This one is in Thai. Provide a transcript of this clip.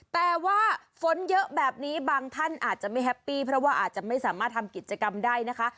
แต่ว่าฝนเยอะแบบนี้บางท่านอาจจะไม่แฮปปี้เพราะว่าอาจจะไม่สามารถทำกิจกรรมได้นะคะ